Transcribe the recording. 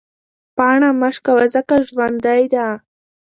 پاڼه مه شکوه ځکه ژوندۍ ده.